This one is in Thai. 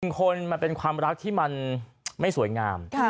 คนมันเป็นความรักที่มันไม่สวยงาม